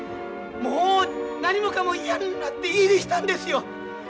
もう何もかも嫌になって家出したんですよ。